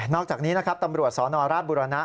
อกจากนี้นะครับตำรวจสนราชบุรณะ